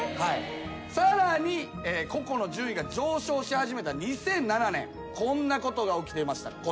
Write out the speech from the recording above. さらにココの順位が上昇し始めた２００７年こんなことが起きていました。